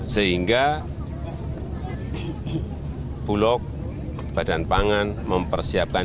sehingga bulog badan pangan mempersiapkan